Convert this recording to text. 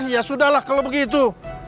ya sudahlah kalo begitu